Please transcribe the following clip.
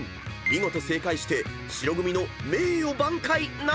［見事正解して白組の名誉挽回なるか⁉］